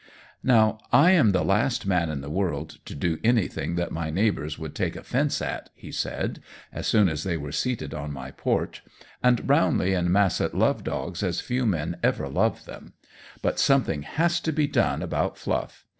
"Now, I am the last man in the world to do anything that my neighbors would take offense at," he said, as soon as they were seated on my porch, "and Brownlee and Massett love dogs as few men ever love them; but something has to be done about Fluff.